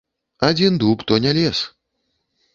Адзін дуб то не лес.